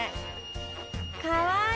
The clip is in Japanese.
かわいい。